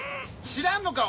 知らんのか？